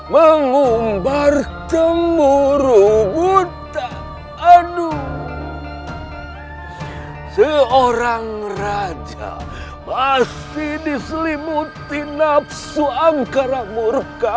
mengumbar temuru buta aduh seorang raja pasti diselimuti nafsu angkara murka